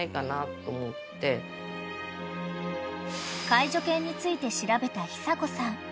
［介助犬について調べた久子さん］